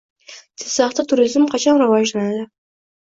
Jizzaxda turizm qachon rivojlanadi?